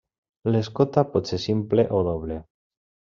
L'escota pot ser simple o doble.